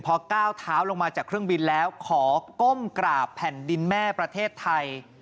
พอก้าวเท้าลงมาจากเครื่องบินแล้วขอก้มกราบแผ่นดินแม่ประเทศไทย